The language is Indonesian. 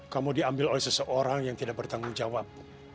kamu diambil oleh seseorang yang tidak bertanggung jawab